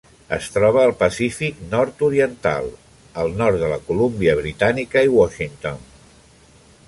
Es troba al Pacífic nord-oriental: el nord de la Colúmbia Britànica i Washington.